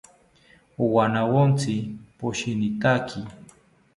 Owanawontzi poshinitaki